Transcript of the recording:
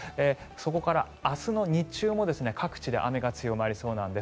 そこから明日の日中も各地で雨が強まりそうなんです。